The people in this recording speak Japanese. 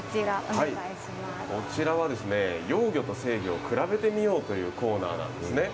こちらは、幼魚と成魚を比べてみようというコーナーなんですね。